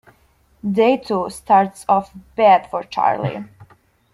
Day two starts off bad for Charlie.